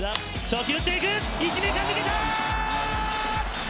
１、２塁間抜けた！